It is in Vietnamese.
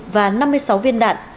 và năm mươi sáu viên đạn